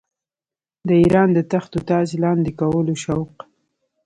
د اېران د تخت و تاج لاندي کولو شوق.